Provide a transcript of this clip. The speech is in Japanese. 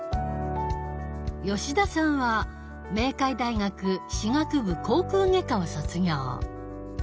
吉田さんは明海大学歯学部口腔外科を卒業。